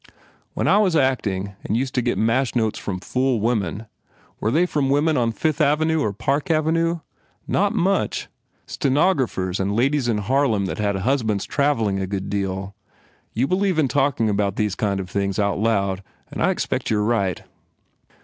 When I was acting and used to get mash notes from fool women, were they from women on Fifth Avenue or Park Avenue? Not much! Stenographers and ladies in Harlem that had husbands travelling a good deal. You believe in talking about these kind of things out loud and I expect you re right."